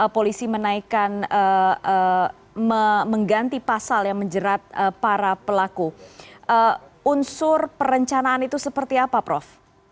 polisi menaikkan mengganti pasal yang menjerat para pelaku unsur perencanaan itu seperti apa prof